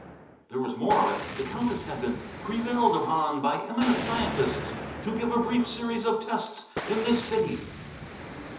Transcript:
There was more of it. The Countess had been "prevailed upon by eminent scientists to give a brief series of tests in this city."